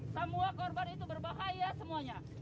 semua korban itu berbahaya semuanya